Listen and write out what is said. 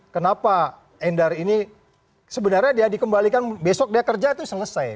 kenapa endar ini sebenarnya dia dikembalikan besok dia kerja itu selesai